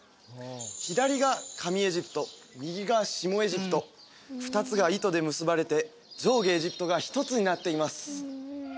左が上エジプト右が下エジプト２つが糸で結ばれて上下エジプトが１つになっています